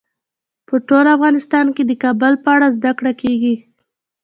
په ټول افغانستان کې د کابل په اړه زده کړه کېږي.